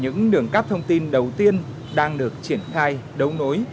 những đường cắp thông tin đầu tiên đang được triển khai đấu nối